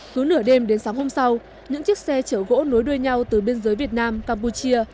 cứ nửa đêm đến sáng hôm sau những chiếc xe chở gỗ nối đuôi nhau từ biên giới việt nam campuchia